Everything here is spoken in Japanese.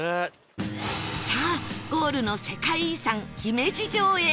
さあゴールの世界遺産姫路城へ